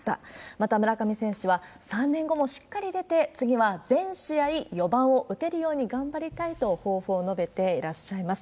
また村上選手は、３年後もしっかり出て、次は全試合４番を打てるように頑張りたいと抱負を述べていらっしゃいます。